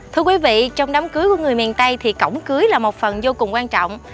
thưa quý vị trong đám cưới của người miền tây thì cổng cưới là một phần vô cùng quan trọng